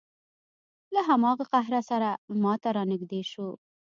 له هماغه قهره سره ما ته را نږدې شو.